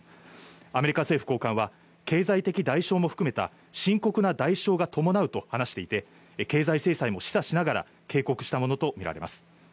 アメリカ政府高官は経済的代償も含めた深刻な代償が伴うと話していて、経済制裁も示唆しながら警告したものとみられます。